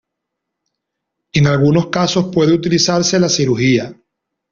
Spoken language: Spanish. En algunos casos puede utilizarse la cirugía.